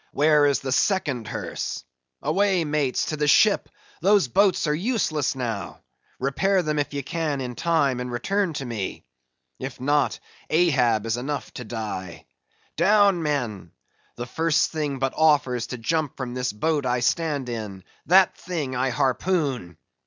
Where is the second hearse? Away, mates, to the ship! those boats are useless now; repair them if ye can in time, and return to me; if not, Ahab is enough to die—Down, men! the first thing that but offers to jump from this boat I stand in, that thing I harpoon.